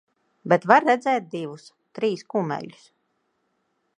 Bet var redzēt divus, trīs kumeļus.